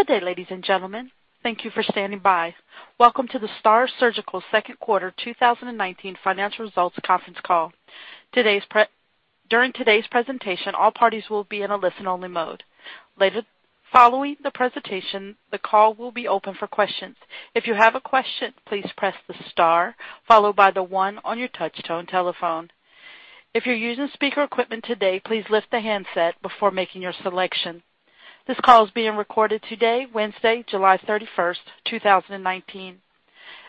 Good day, ladies and gentlemen. Thank you for standing by. Welcome to the STAAR Surgical second quarter 2019 financial results conference call. During today's presentation, all parties will be in a listen-only mode. Following the presentation, the call will be open for questions. If you have a question, please press the star followed by the 1 on your touch-tone telephone. If you're using speaker equipment today, please lift the handset before making your selection. This call is being recorded today, Wednesday, July 31st, 2019.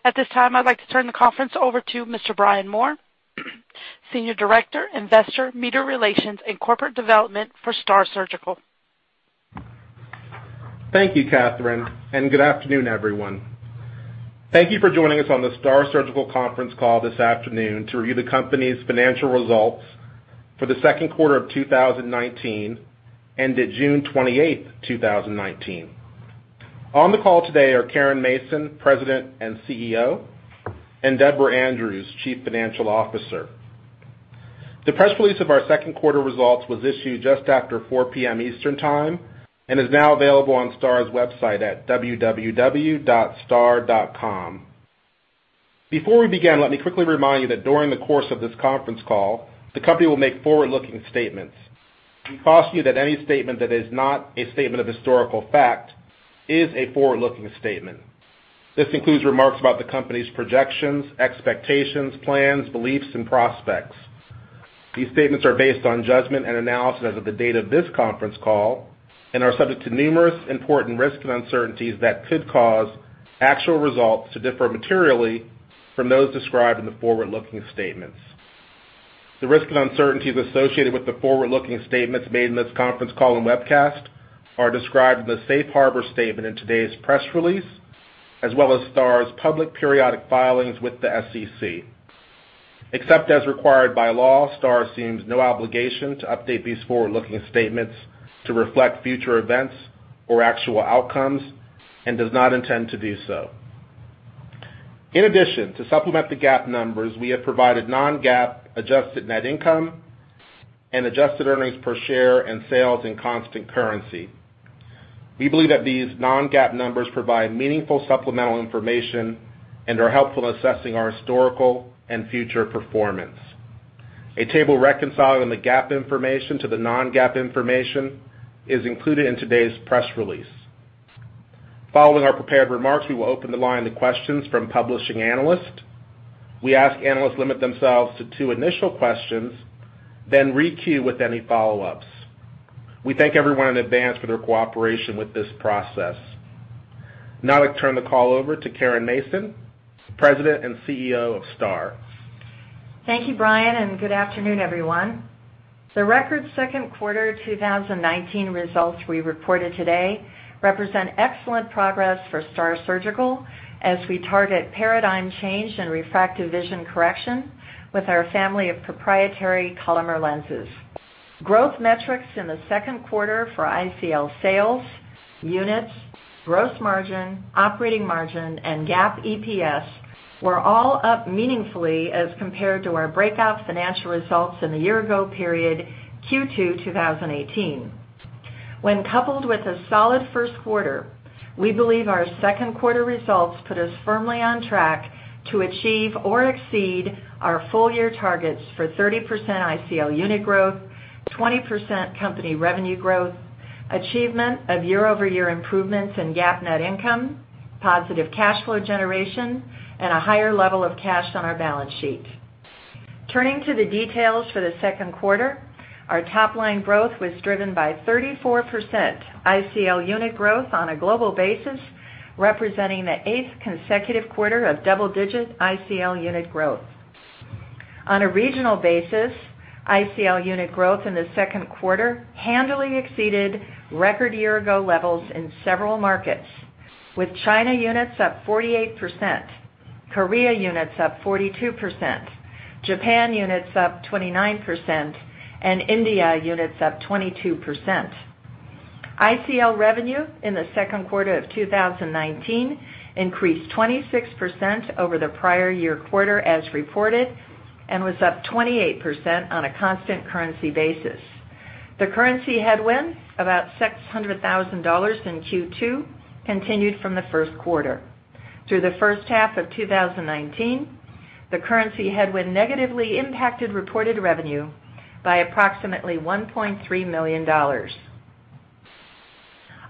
At this time, I'd like to turn the conference over to Mr. Brian Moore, Senior Director, Investor, Media Relations, and Corporate Development for STAAR Surgical. Thank you, Katherine, and good afternoon, everyone. Thank you for joining us on the STAAR Surgical conference call this afternoon to review the company's financial results for the second quarter of 2019 ended June 28th, 2019. On the call today are Caren Mason, President and CEO, and Deborah Andrews, Chief Financial Officer. The press release of our second quarter results was issued just after 4:00 P.M. Eastern Time and is now available on STAAR's website at www.staar.com. Before we begin, let me quickly remind you that during the course of this conference call, the company will make forward-looking statements. We caution you that any statement that is not a statement of historical fact is a forward-looking statement. This includes remarks about the company's projections, expectations, plans, beliefs, and prospects. These statements are based on judgment and analysis as of the date of this conference call and are subject to numerous important risks and uncertainties that could cause actual results to differ materially from those described in the forward-looking statements. The risks and uncertainties associated with the forward-looking statements made in this conference call and webcast are described in the safe harbor statement in today's press release, as well as STAAR's public periodic filings with the SEC. Except as required by law, STAAR assumes no obligation to update these forward-looking statements to reflect future events or actual outcomes and does not intend to do so. In addition, to supplement the GAAP numbers, we have provided non-GAAP adjusted net income and adjusted earnings per share and sales in constant currency. We believe that these non-GAAP numbers provide meaningful supplemental information and are helpful in assessing our historical and future performance. A table reconciling the GAAP information to the non-GAAP information is included in today's press release. Following our prepared remarks, we will open the line to questions from publishing analysts. We ask analysts limit themselves to two initial questions, then re-queue with any follow-ups. We thank everyone in advance for their cooperation with this process. I turn the call over to Caren Mason, President and CEO of STAAR. Thank you, Brian. Good afternoon, everyone. The record second quarter 2019 results we reported today represent excellent progress for STAAR Surgical as we target paradigm change in refractive vision correction with our family of proprietary Collamer lenses. Growth metrics in the second quarter for ICL sales, units, gross margin, operating margin, and GAAP EPS were all up meaningfully as compared to our breakout financial results in the year ago period Q2 2018. When coupled with a solid first quarter, we believe our second quarter results put us firmly on track to achieve or exceed our full-year targets for 30% ICL unit growth, 20% company revenue growth, achievement of year-over-year improvements in GAAP net income, positive cash flow generation, and a higher level of cash on our balance sheet. Turning to the details for the second quarter, our top-line growth was driven by 34% ICL unit growth on a global basis, representing the eighth consecutive quarter of double-digit ICL unit growth. On a regional basis, ICL unit growth in the second quarter handily exceeded record year ago levels in several markets, with China units up 48%, Korea units up 42%, Japan units up 29%, and India units up 22%. ICL revenue in the second quarter of 2019 increased 26% over the prior year quarter as reported and was up 28% on a constant currency basis. The currency headwind, about $600,000 in Q2, continued from the first quarter. Through the first half of 2019, the currency headwind negatively impacted reported revenue by approximately $1.3 million.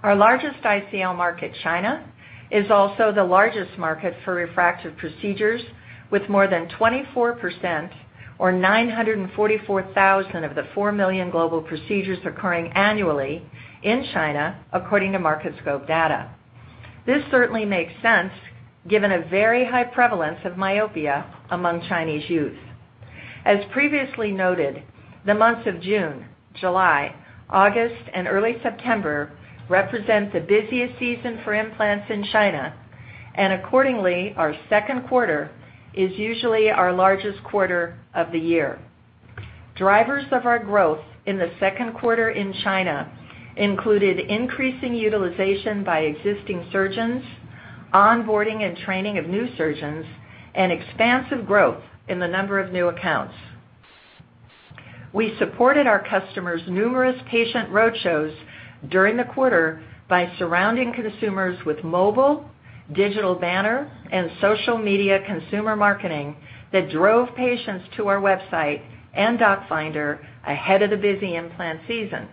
Our largest ICL market, China, is also the largest market for refractive procedures with more than 24% or 944,000 of the 4 million global procedures occurring annually in China, according to Market Scope data. This certainly makes sense given a very high prevalence of myopia among Chinese youth. As previously noted, the months of June, July, August, and early September represent the busiest season for implants in China, and accordingly, our second quarter is usually our largest quarter of the year. Drivers of our growth in the second quarter in China included increasing utilization by existing surgeons, onboarding and training of new surgeons, and expansive growth in the number of new accounts. We supported our customers' numerous patient road shows during the quarter by surrounding consumers with mobile, digital banner, and social media consumer marketing that drove patients to our website and doctor finder ahead of the busy implant season.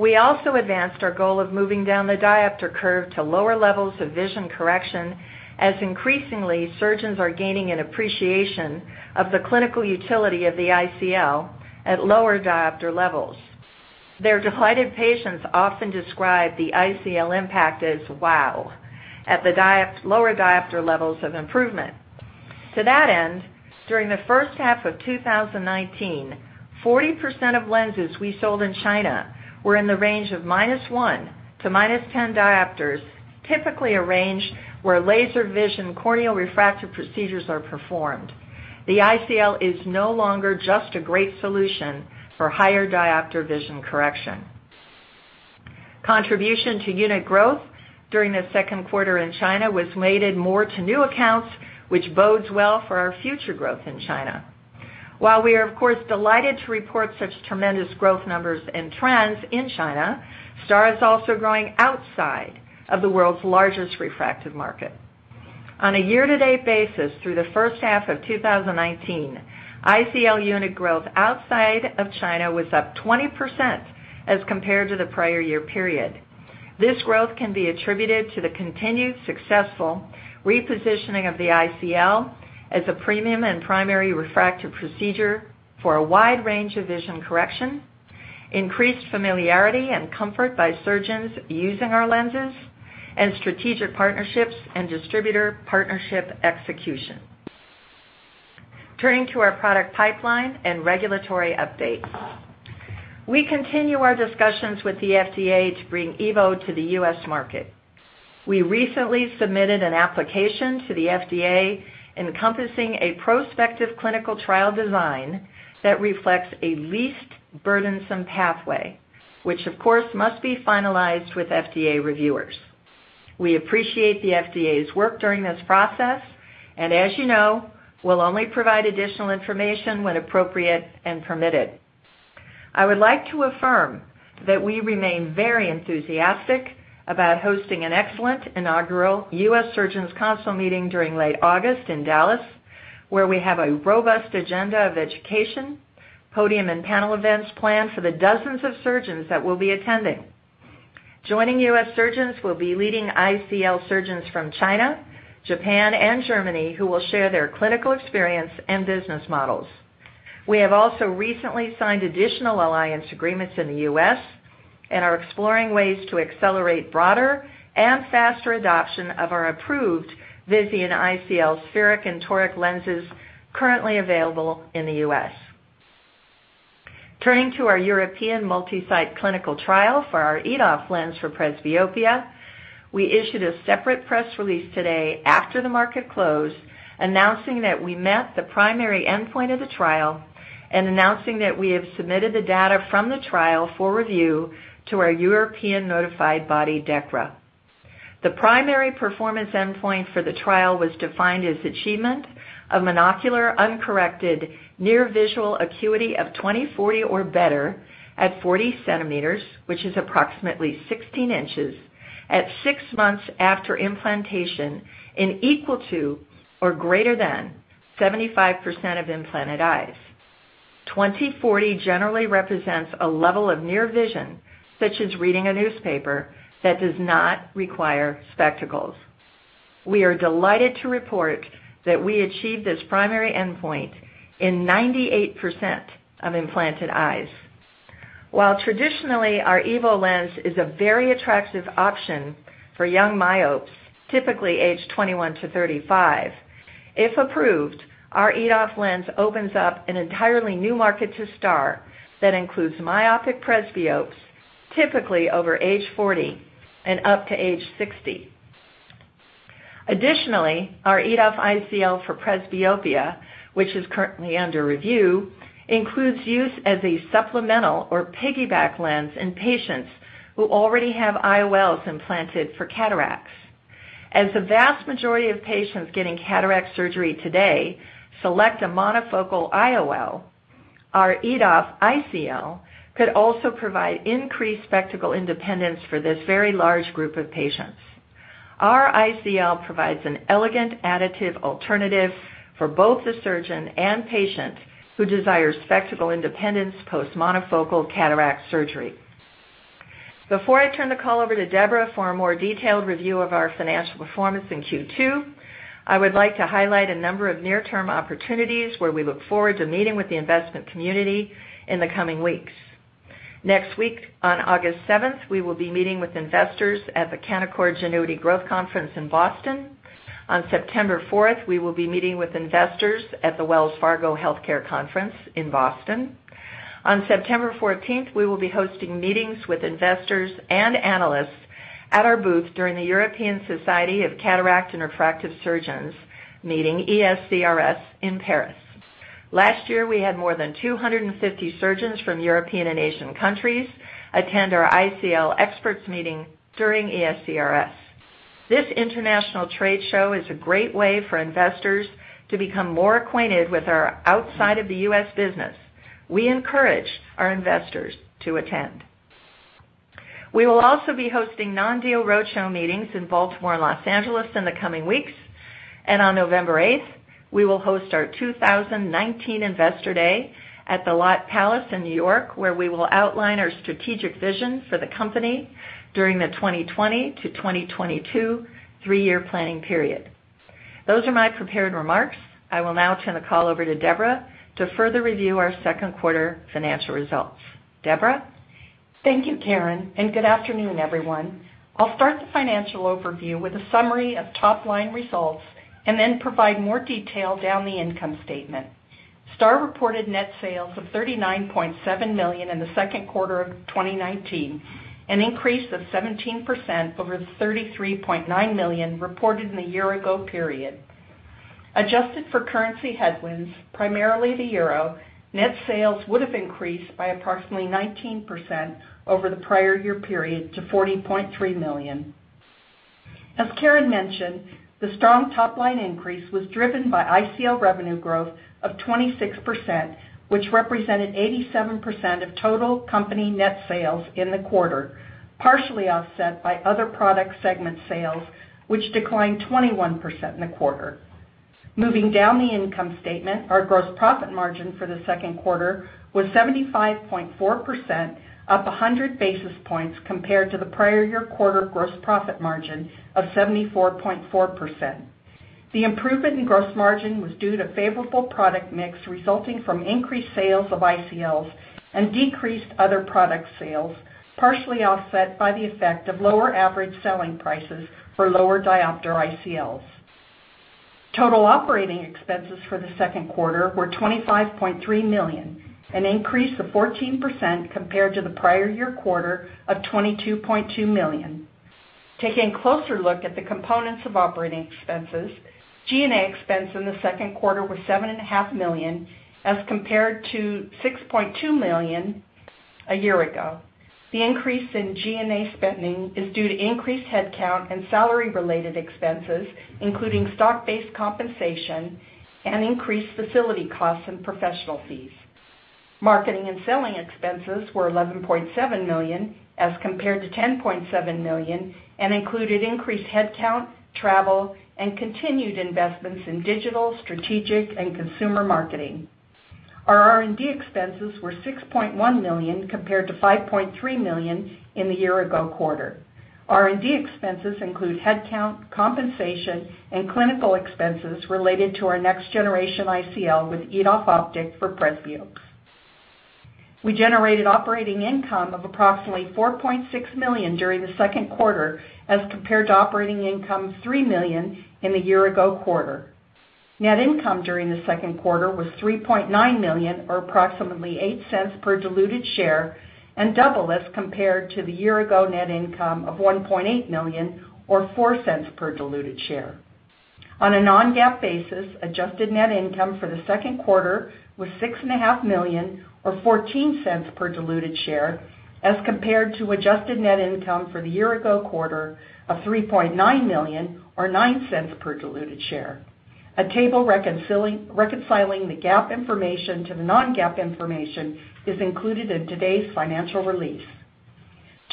We also advanced our goal of moving down the diopter curve to lower levels of vision correction, as increasingly, surgeons are gaining an appreciation of the clinical utility of the ICL at lower diopter levels. Their delighted patients often describe the ICL impact as wow at the lower diopter levels of improvement. To that end, during the first half of 2019, 40% of lenses we sold in China were in the range of -1 to -10 diopters, typically a range where laser vision corneal refractive procedures are performed. The ICL is no longer just a great solution for higher diopter vision correction. Contribution to unit growth during the second quarter in China was weighted more to new accounts, which bodes well for our future growth in China. While we are of course delighted to report such tremendous growth numbers and trends in China, STAAR is also growing outside of the world's largest refractive market. On a year-to-date basis through the first half of 2019, ICL unit growth outside of China was up 20% as compared to the prior year period. This growth can be attributed to the continued successful repositioning of the ICL as a premium and primary refractive procedure for a wide range of vision correction, increased familiarity and comfort by surgeons using our lenses, and strategic partnerships and distributor partnership execution. Turning to our product pipeline and regulatory updates. We continue our discussions with the FDA to bring EVO to the U.S. market. We recently submitted an application to the FDA encompassing a prospective clinical trial design that reflects a least burdensome pathway, which of course must be finalized with FDA reviewers. As you know, we'll only provide additional information when appropriate and permitted. I would like to affirm that we remain very enthusiastic about hosting an excellent inaugural U.S. Surgeons Council meeting during late August in Dallas, where we have a robust agenda of education, podium and panel events planned for the dozens of surgeons that will be attending. Joining U.S. surgeons will be leading ICL surgeons from China, Japan, and Germany who will share their clinical experience and business models. We have also recently signed additional alliance agreements in the U.S. and are exploring ways to accelerate broader and faster adoption of our approved Visian ICL spherical and Toric lenses currently available in the U.S. Turning to our European multi-site clinical trial for our EDOF lens for presbyopia, we issued a separate press release today after the market close, announcing that we met the primary endpoint of the trial and announcing that we have submitted the data from the trial for review to our European notified body, DEKRA. The primary performance endpoint for the trial was defined as achievement of monocular uncorrected near visual acuity of 20/40 or better at 40 centimeters, which is approximately 16 inches, at six months after implantation in equal to or greater than 75% of implanted eyes. 20/40 generally represents a level of near vision, such as reading a newspaper, that does not require spectacles. We are delighted to report that we achieved this primary endpoint in 98% of implanted eyes. While traditionally our EVO lens is a very attractive option for young myopes, typically aged 21 to 35, if approved, our EDOF lens opens up an entirely new market to STAAR that includes myopic presbyopes, typically over age 40 and up to age 60. Additionally, our EDOF ICL for presbyopia, which is currently under review, includes use as a supplemental or piggyback lens in patients who already have IOLs implanted for cataracts. As the vast majority of patients getting cataract surgery today select a monofocal IOL, our EDOF ICL could also provide increased spectacle independence for this very large group of patients. Our ICL provides an elegant additive alternative for both the surgeon and patient who desires spectacle independence post-monofocal cataract surgery. Before I turn the call over to Deborah for a more detailed review of our financial performance in Q2, I would like to highlight a number of near-term opportunities where we look forward to meeting with the investment community in the coming weeks. Next week, on August 7th, we will be meeting with investors at the Canaccord Genuity Growth Conference in Boston. On September 4th, we will be meeting with investors at the Wells Fargo Healthcare Conference in Boston. On September 14th, we will be hosting meetings with investors and analysts at our booth during the European Society of Cataract and Refractive Surgeons meeting, ESCRS, in Paris. Last year, we had more than 250 surgeons from European and Asian countries attend our ICL experts meeting during ESCRS. This international trade show is a great way for investors to become more acquainted with our outside of the U.S. business. We encourage our investors to attend. We will also be hosting non-deal roadshow meetings in Baltimore and Los Angeles in the coming weeks. On November 8th, we will host our 2019 Investor Day at the Lotte New York Palace in New York, where we will outline our strategic vision for the company during the 2020 to 2022 three-year planning period. Those are my prepared remarks. I will now turn the call over to Deborah to further review our second quarter financial results. Deborah? Thank you, Caren, and good afternoon, everyone. I'll start the financial overview with a summary of top-line results and then provide more detail down the income statement. STAAR reported net sales of $39.7 million in the second quarter of 2019, an increase of 17% over the $33.9 million reported in the year-ago period. Adjusted for currency headwinds, primarily the euro, net sales would have increased by approximately 19% over the prior year period to $40.3 million. As Caren mentioned, the strong top-line increase was driven by ICL revenue growth of 26%, which represented 87% of total company net sales in the quarter, partially offset by other product segment sales, which declined 21% in the quarter. Moving down the income statement, our gross profit margin for the second quarter was 75.4%, up 100 basis points compared to the prior year quarter gross profit margin of 74.4%. The improvement in gross margin was due to favorable product mix resulting from increased sales of ICLs and decreased other product sales, partially offset by the effect of lower average selling prices for lower diopter ICLs. Total operating expenses for the second quarter were $25.3 million, an increase of 14% compared to the prior year quarter of $22.2 million. Taking a closer look at the components of operating expenses, G&A expense in the second quarter was $7.5 million as compared to $6.2 million a year ago. The increase in G&A spending is due to increased headcount and salary related expenses, including stock-based compensation and increased facility costs and professional fees. Marketing and selling expenses were $11.7 million, as compared to $10.7 million, and included increased headcount, travel, and continued investments in digital, strategic, and consumer marketing. Our R&D expenses were $6.1 million compared to $5.3 million in the year-ago quarter. R&D expenses include headcount, compensation, and clinical expenses related to our next generation ICL with EDOF optic for presbyopes. We generated operating income of approximately $4.6 million during the second quarter as compared to operating income of $3 million in the year-ago quarter. Net income during the second quarter was $3.9 million or approximately $0.08 per diluted share and double as compared to the year-ago net income of $1.8 million or $0.04 per diluted share. On a non-GAAP basis, adjusted net income for the second quarter was $six and a half million or $0.14 per diluted share as compared to adjusted net income for the year-ago quarter of $3.9 million or $0.09 per diluted share. A table reconciling the GAAP information to the non-GAAP information is included in today's financial release.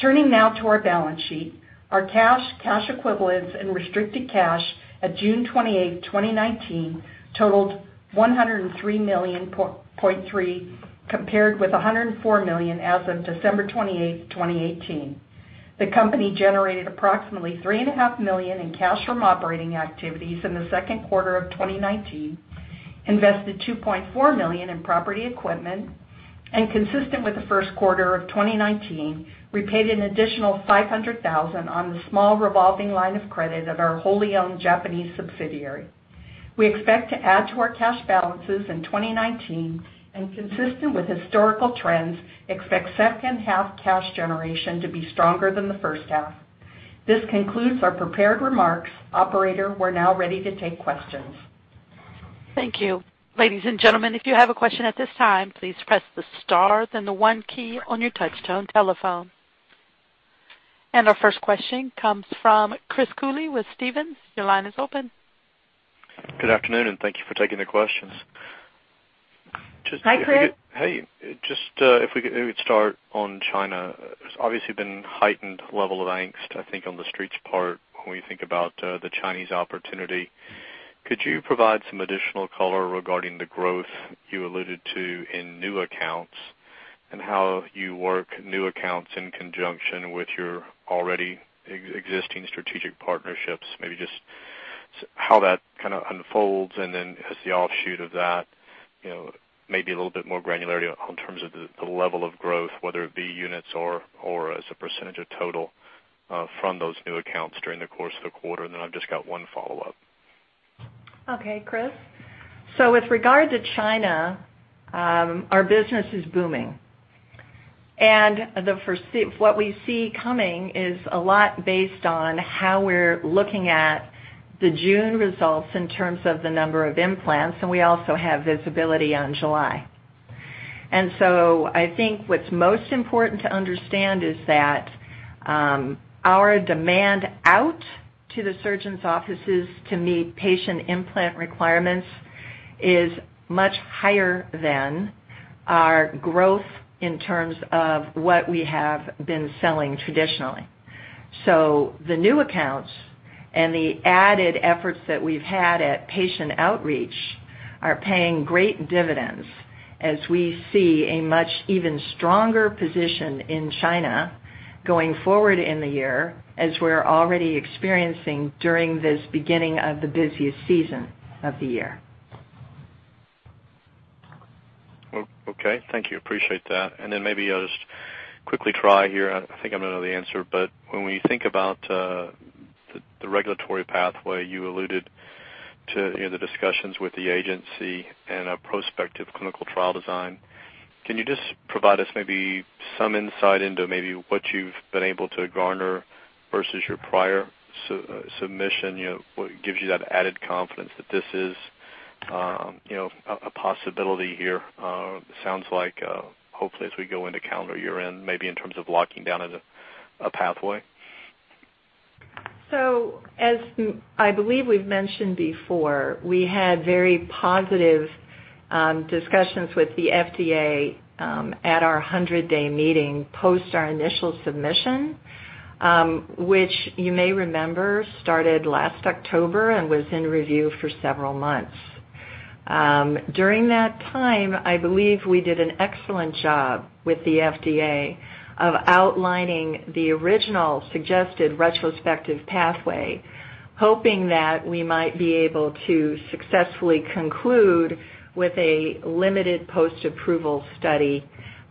Turning now to our balance sheet, our cash equivalents, and restricted cash at June 28th, 2019 totaled $103.3 million compared with $104 million as of December 28th, 2018. The company generated approximately $3.5 million in cash from operating activities in the second quarter of 2019, invested $2.4 million in property equipment, and consistent with the first quarter of 2019, repaid an additional $500,000 on the small revolving line of credit of our wholly owned Japanese subsidiary. We expect to add to our cash balances in 2019 and, consistent with historical trends, expect second half cash generation to be stronger than the first half. This concludes our prepared remarks. Operator, we're now ready to take questions. Thank you. Ladies and gentlemen, if you have a question at this time, please press the star then the one key on your touch tone telephone. Our first question comes from Chris Cooley with Stephens. Your line is open. Good afternoon, and thank you for taking the questions. Hi, Chris. Hey. Just if we could start on China. There's obviously been heightened level of angst, I think on the street's part when we think about the Chinese opportunity. Could you provide some additional color regarding the growth you alluded to in new accounts and how you work new accounts in conjunction with your already existing strategic partnerships? Maybe just how that kind of unfolds, and then as the offshoot of that maybe a little bit more granularity on terms of the level of growth, whether it be units or as a percentage of total from those new accounts during the course of the quarter. I've just got one follow-up. Okay, Chris. With regard to China, our business is booming. What we see coming is a lot based on how we're looking at the June results in terms of the number of implants, and we also have visibility on July. I think what's most important to understand is that our demand out to the surgeons' offices to meet patient implant requirements is much higher than our growth in terms of what we have been selling traditionally. The new accounts and the added efforts that we've had at patient outreach are paying great dividends as we see a much even stronger position in China going forward in the year, as we're already experiencing during this beginning of the busiest season of the year. Okay. Thank you. Appreciate that. Maybe I'll just quickly try here. I think I might know the answer, but when we think about the regulatory pathway, you alluded to in the discussions with the agency and a prospective clinical trial design, can you just provide us maybe some insight into maybe what you've been able to garner versus your prior submission? What gives you that added confidence that this is a possibility here? It sounds like hopefully as we go into calendar year-end, maybe in terms of locking down a pathway. As I believe we've mentioned before, we had very positive discussions with the FDA, at our 100-day meeting post our initial submission, which you may remember started last October and was in review for several months. During that time, I believe we did an excellent job with the FDA of outlining the original suggested retrospective pathway, hoping that we might be able to successfully conclude with a limited post-approval study.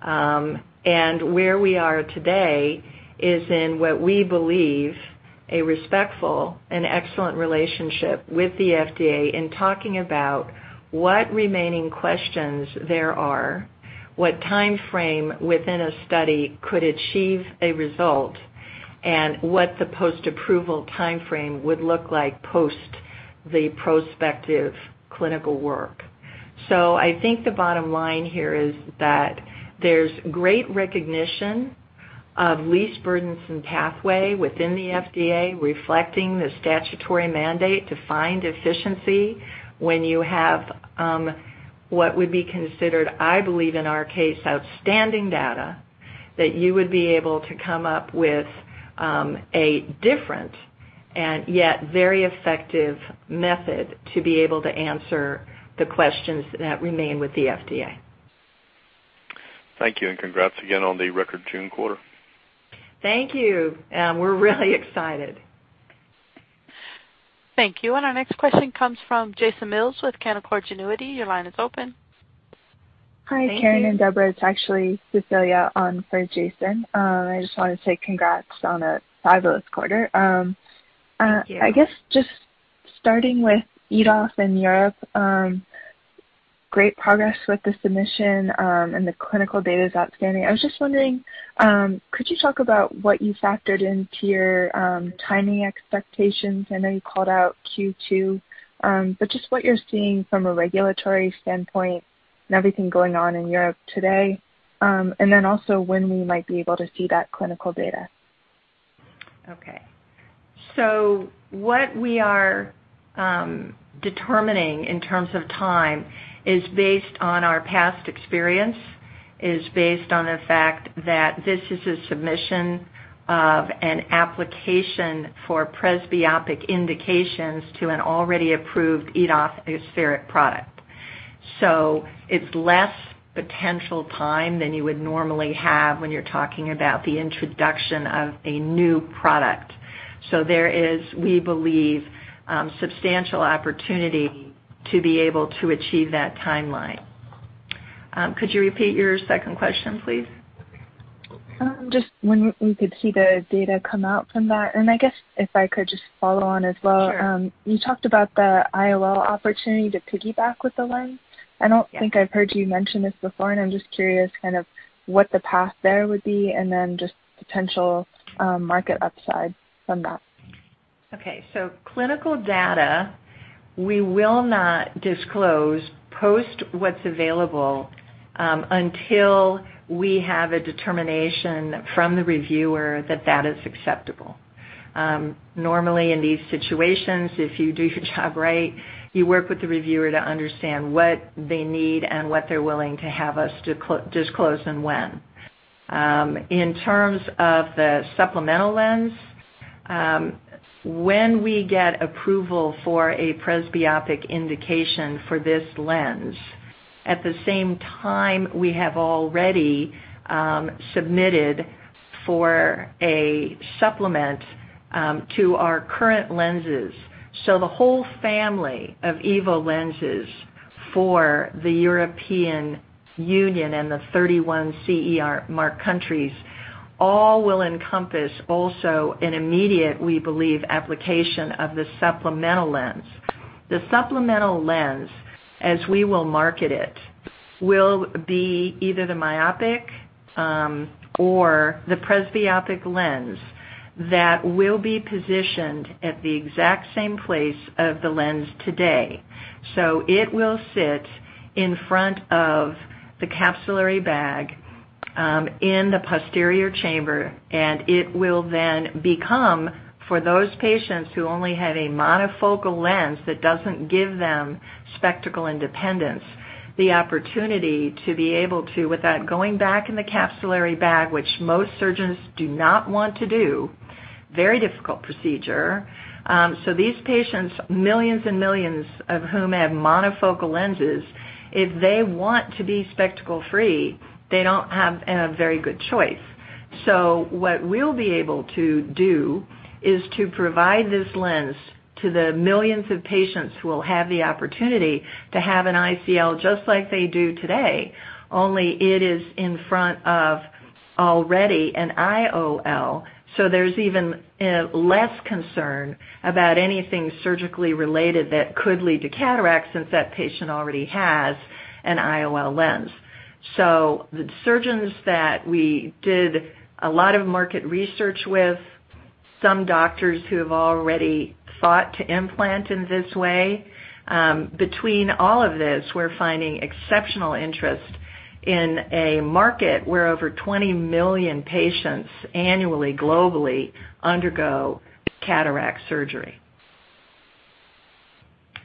Where we are today is in what we believe a respectful and excellent relationship with the FDA in talking about what remaining questions there are, what timeframe within a study could achieve a result, and what the post-approval timeframe would look like post the prospective clinical work. I think the bottom line here is that there's great recognition of least burdensome pathway within the FDA, reflecting the statutory mandate to find efficiency when you have what would be considered, I believe, in our case, outstanding data that you would be able to come up with a different and yet very effective method to be able to answer the questions that remain with the FDA. Thank you, and congrats again on the record June quarter. Thank you. We're really excited. Thank you. Our next question comes from Jason Mills with Canaccord Genuity. Your line is open. Hi, Caren and Deborah. It's actually Cecilia on for Jason. I just wanted to say congrats on a fabulous quarter. Thank you. I guess just starting with EDOF in Europe, great progress with the submission, and the clinical data is outstanding. I was just wondering, could you talk about what you factored into your timing expectations? I know you called out Q2, but just what you're seeing from a regulatory standpoint and everything going on in Europe today, and then also when we might be able to see that clinical data. Okay. What we are determining in terms of time is based on our past experience. Is based on the fact that this is a submission of an application for presbyopic indications to an already approved EDOF aspheric product. It's less potential time than you would normally have when you're talking about the introduction of a new product. There is, we believe, substantial opportunity to be able to achieve that timeline. Could you repeat your second question, please? Just when we could see the data come out from that. I guess if I could just follow on as well. Sure. You talked about the IOL opportunity to piggyback with the lens. Yeah. I don't think I've heard you mention this before, and I'm just curious kind of what the path there would be, and then just potential market upside from that. Okay. Clinical data, we will not disclose post what's available until we have a determination from the reviewer that that is acceptable. Normally in these situations, if you do your job right, you work with the reviewer to understand what they need and what they're willing to have us disclose and when. In terms of the supplemental lens, when we get approval for a presbyopic indication for this lens, at the same time, we have already submitted for a supplement to our current lenses. The whole family of EVO lenses for the European Union and the 31 CE marking countries all will encompass also an immediate, we believe, application of the supplemental lens. The supplemental lens, as we will market it, will be either the myopic or the presbyopic lens. That will be positioned at the exact same place of the lens today. It will sit in front of the capsular bag in the posterior chamber, and it will then become, for those patients who only had a monofocal lens that doesn't give them spectacle independence, the opportunity to be able to, without going back in the capsular bag, which most surgeons do not want to do, very difficult procedure. These patients, millions and millions of whom have monofocal lenses, if they want to be spectacle-free, they don't have a very good choice. What we'll be able to do is to provide this lens to the millions of patients who will have the opportunity to have an ICL just like they do today. Only it is in front of already an IOL, so there's even less concern about anything surgically related that could lead to cataracts since that patient already has an IOL lens. The surgeons that we did a lot of market research with, some doctors who have already sought to implant in this way, between all of this, we're finding exceptional interest in a market where over 20 million patients annually, globally, undergo cataract surgery.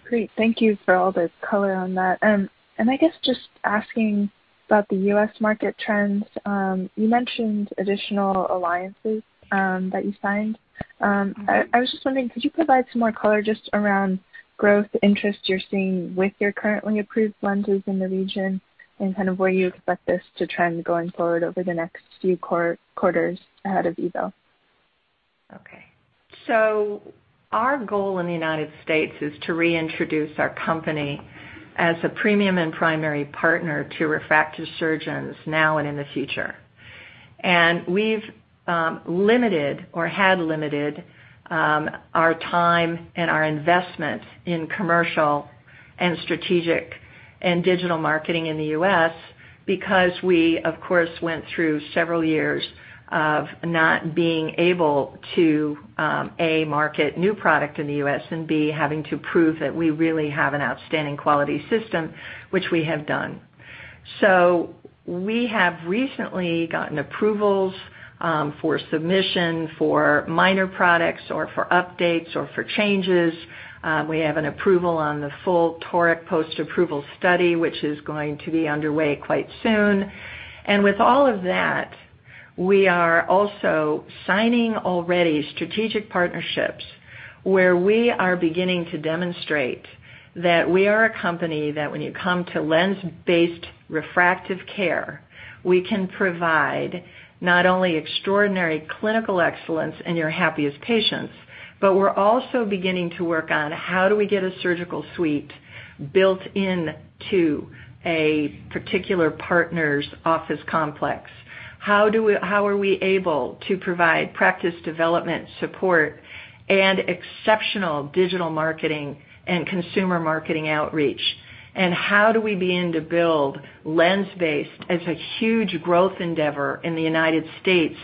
Great. Thank you for all this color on that. I guess just asking about the U.S. market trends. You mentioned additional alliances that you signed. I was just wondering, could you provide some more color just around growth interest you're seeing with your currently approved lenses in the region and where you expect this to trend going forward over the next few quarters ahead of EVO? Our goal in the U.S. is to reintroduce our company as a premium and primary partner to refractive surgeons now and in the future. We've limited or had limited our time and our investment in commercial and strategic and digital marketing in the U.S. because we, of course, went through several years of not being able to, A, market new product in the U.S., and B, having to prove that we really have an outstanding quality system, which we have done. We have recently gotten approvals for submission for minor products or for updates or for changes. We have an approval on the full Toric post-approval study, which is going to be underway quite soon. With all of that, we are also signing already strategic partnerships where we are beginning to demonstrate that we are a company that when you come to lens-based refractive care, we can provide not only extraordinary clinical excellence and your happiest patients, but we're also beginning to work on how do we get a surgical suite built into a particular partner's office complex? How are we able to provide practice development support and exceptional digital marketing and consumer marketing outreach? How do we begin to build lens-based as a huge growth endeavor in the United States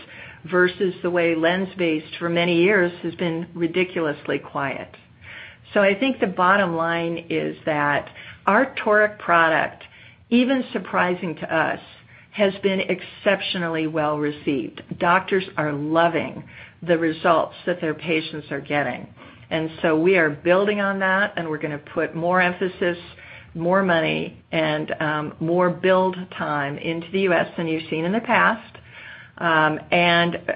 versus the way lens-based for many years has been ridiculously quiet. I think the bottom line is that our Toric product, even surprising to us, has been exceptionally well-received. Doctors are loving the results that their patients are getting. We are building on that, and we're going to put more emphasis, more money, and more build time into the U.S. than you've seen in the past.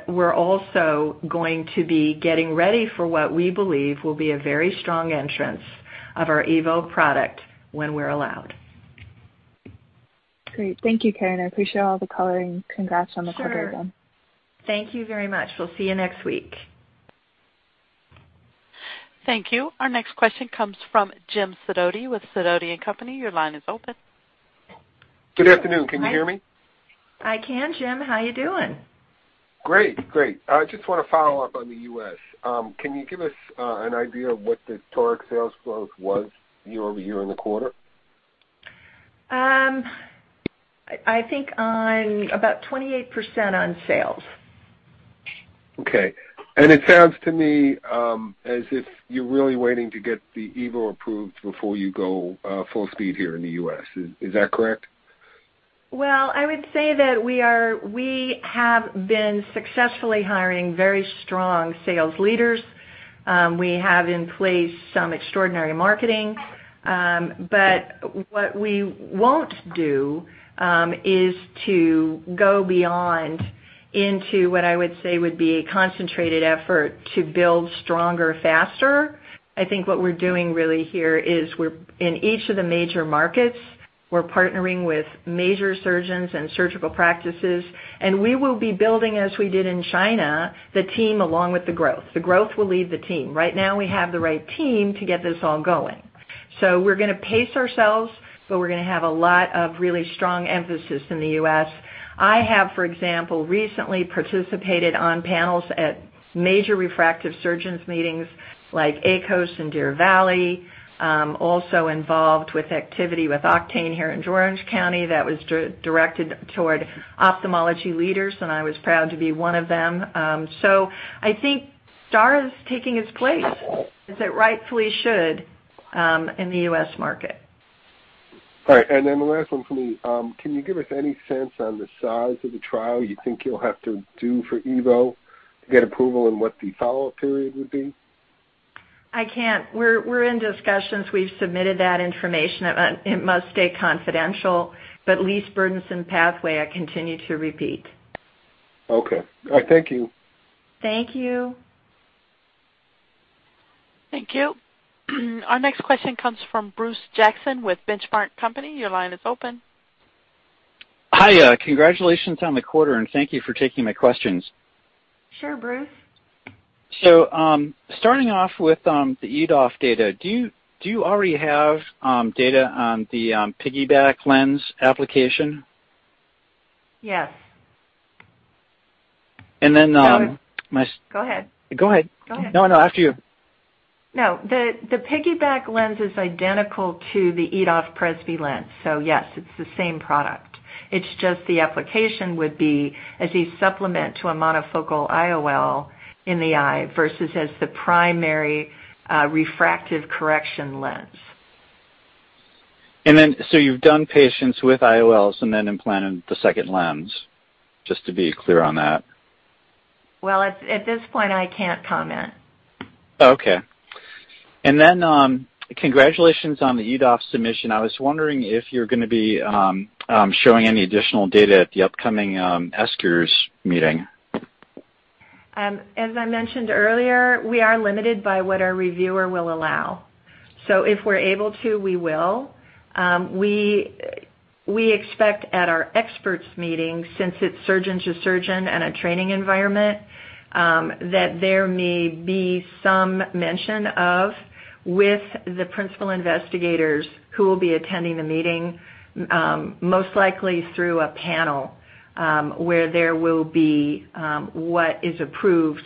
We're also going to be getting ready for what we believe will be a very strong entrance of our EVO product when we're allowed. Great. Thank you, Caren. I appreciate all the color. Congrats on the quarter again. Sure. Thank you very much. We'll see you next week. Thank you. Our next question comes from Jim Sidoti with Sidoti & Company. Your line is open. Good afternoon. Can you hear me? I can, Jim. How you doing? Great. I just want to follow up on the U.S. Can you give us an idea of what the Toric sales growth was year-over-year in the quarter? I think about 28% on sales. Okay. It sounds to me as if you're really waiting to get the EVO approved before you go full speed here in the U.S. Is that correct? I would say that we have been successfully hiring very strong sales leaders. We have in place some extraordinary marketing. What we won't do is to go beyond into what I would say would be a concentrated effort to build stronger, faster. I think what we're doing really here is we're in each of the major markets. We're partnering with major surgeons and surgical practices, and we will be building, as we did in China, the team along with the growth. The growth will lead the team. Right now, we have the right team to get this all going. We're going to pace ourselves, but we're going to have a lot of really strong emphasis in the U.S. I have, for example, recently participated on panels at major refractive surgeons meetings like ASCRS and Deer Valley. Also involved with activity with Octane here in Orange County that was directed toward ophthalmology leaders, and I was proud to be one of them. I think STAAR is taking its place as it rightfully should in the U.S. market. All right. The last one for me. Can you give us any sense on the size of the trial you think you'll have to do for EVO to get approval and what the follow-up period would be? I can't. We're in discussions. We've submitted that information. It must stay confidential, but least burdensome pathway, I continue to repeat. Okay. All right. Thank you. Thank you. Thank you. Our next question comes from Bruce Jackson with Benchmark Company. Your line is open. Hi, congratulations on the quarter, and thank you for taking my questions. Sure, Bruce. Starting off with, the EDOF data, do you already have data on the piggyback lens application? Yes. And then- Go ahead. Go ahead. Go ahead. No, after you. No. The piggyback lens is identical to the EDOF Presbyopic lens. Yes, it's the same product. It's just the application would be as a supplement to a monofocal IOL in the eye versus as the primary refractive correction lens. You've done patients with IOLs and then implanted the second lens, just to be clear on that. Well, at this point, I can't comment. Okay. Congratulations on the EDOF submission. I was wondering if you're going to be showing any additional data at the upcoming ESCRS meeting. As I mentioned earlier, we are limited by what our reviewer will allow. If we're able to, we will. We expect at our experts meeting, since it's surgeon to surgeon and a training environment, that there may be some mention of, with the principal investigators who will be attending the meeting, most likely through a panel, where there will be what is approved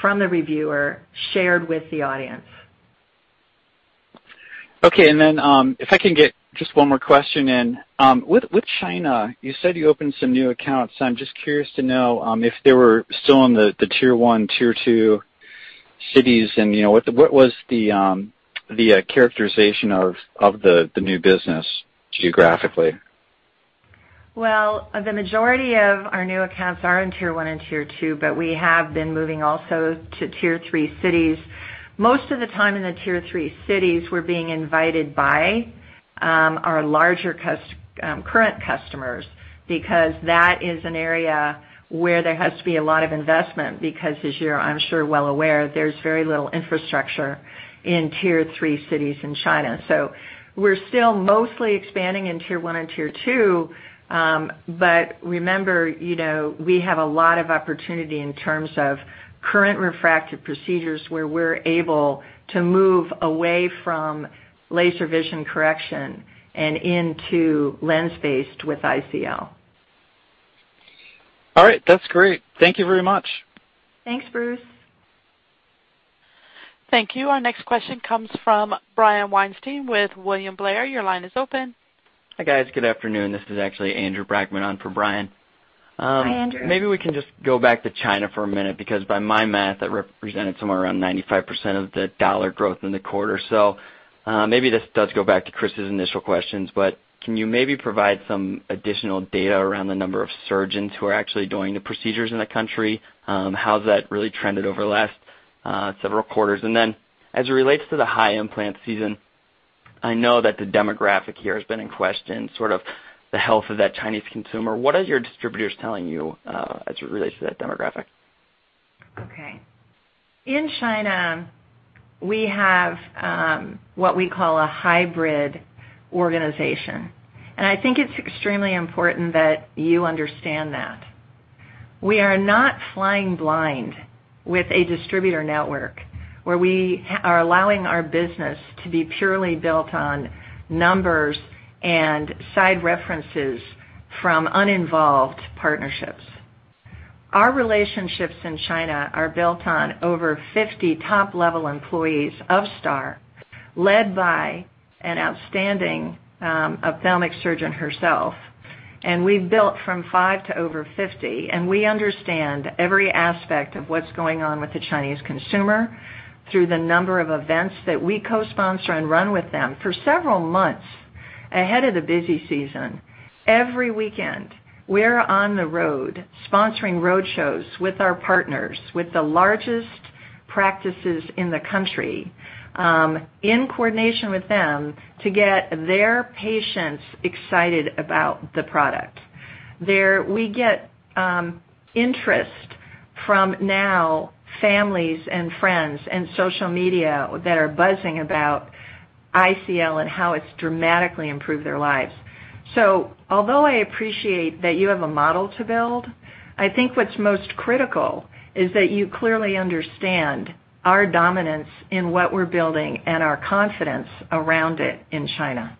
from the reviewer shared with the audience. Okay. If I can get just one more question in. With China, you said you opened some new accounts. I'm just curious to know if they were still in the Tier 1, Tier 2 cities and what was the characterization of the new business geographically? The majority of our new accounts are in Tier 1 and Tier 2, but we have been moving also to Tier 3 cities. Most of the time in the Tier 3 cities, we're being invited by our larger current customers because that is an area where there has to be a lot of investment because as you're I'm sure well aware, there's very little infrastructure in Tier 3 cities in China. We're still mostly expanding in Tier 1 and Tier 2. Remember, we have a lot of opportunity in terms of current refractive procedures where we're able to move away from laser vision correction and into lens-based with ICL. All right. That's great. Thank you very much. Thanks, Bruce. Thank you. Our next question comes from Brian Weinstein with William Blair. Your line is open. Hi, guys. Good afternoon. This is actually Andrew Brackmann on for Brian. Hi, Andrew. Maybe we can just go back to China for a minute, because by my math, that represented somewhere around 95% of the dollar growth in the quarter. Maybe this does go back to Chris's initial questions, but can you maybe provide some additional data around the number of surgeons who are actually doing the procedures in the country? How's that really trended over the last several quarters? As it relates to the high implant season, I know that the demographic here has been in question, sort of the health of that Chinese consumer. What are your distributors telling you, as it relates to that demographic? Okay. In China, we have what we call a hybrid organization, and I think it's extremely important that you understand that. We are not flying blind with a distributor network where we are allowing our business to be purely built on numbers and side references from uninvolved partnerships. Our relationships in China are built on over 50 top-level employees of STAAR, led by an outstanding ophthalmic surgeon herself. We've built from five to over 50, and we understand every aspect of what's going on with the Chinese consumer through the number of events that we co-sponsor and run with them for several months ahead of the busy season. Every weekend, we're on the road sponsoring road shows with our partners, with the largest practices in the country, in coordination with them to get their patients excited about the product. We get interest from now families and friends and social media that are buzzing about ICL and how it's dramatically improved their lives. Although I appreciate that you have a model to build, I think what's most critical is that you clearly understand our dominance in what we're building and our confidence around it in China.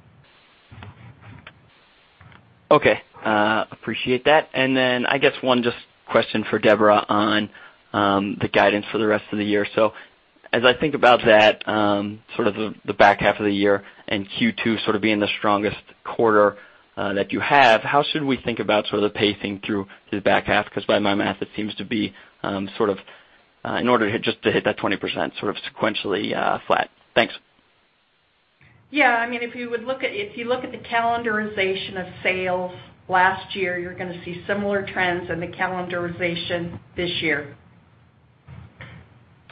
Okay. Appreciate that. I guess one just question for Deborah on the guidance for the rest of the year. As I think about that, sort of the back half of the year and Q2 sort of being the strongest quarter that you have, how should we think about sort of the pacing through the back half? Because by my math, it seems to be sort of in order just to hit that 20% sequentially flat. Thanks. Yeah. If you look at the calendarization of sales last year, you're going to see similar trends in the calendarization this year.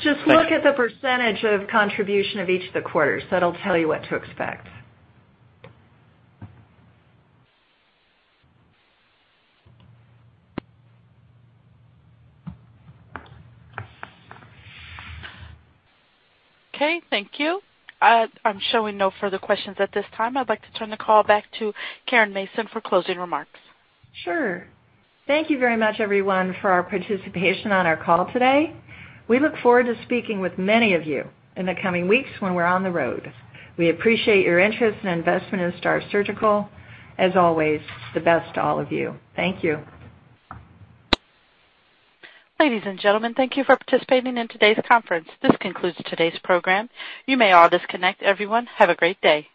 Thank you. Just look at the % of contribution of each of the quarters. That'll tell you what to expect. Okay. Thank you. I'm showing no further questions at this time. I'd like to turn the call back to Caren Mason for closing remarks. Sure. Thank you very much, everyone, for your participation on our call today. We look forward to speaking with many of you in the coming weeks when we're on the road. We appreciate your interest and investment in STAAR Surgical. As always, the best to all of you. Thank you. Ladies and gentlemen, thank you for participating in today's conference. This concludes today's program. You may all disconnect. Everyone, have a great day.